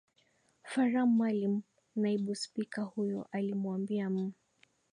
faram maalim naibu spika huyo alimwambia m